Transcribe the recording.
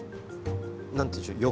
何というんでしょう横？